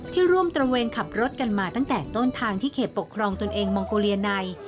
ร่วมตระเวนขับรถกันมาตั้งแต่ต้นทางที่เขตปกครองตนเองมองโกเลียใน